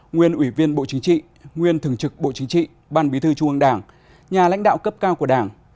nguyên ủy viên bộ chính trị nguyên thường trực bộ chính trị ban bí thư trung ương đảng nhà lãnh đạo cấp cao của đảng